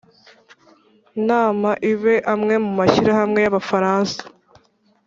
nama ibe, amwe mu mashyirahamwe y'abafaransa